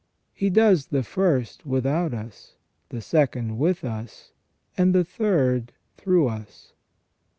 He does the first without us, the second with us, and the third through us.